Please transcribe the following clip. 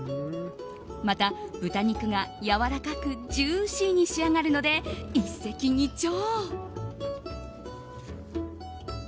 また、豚肉がやわらかくジューシーに仕上がるので一石二鳥。